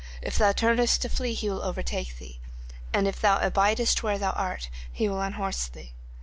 If thou turnest to flee, he will overtake thee. And if thou abidest were thou art, he will unhorse thee.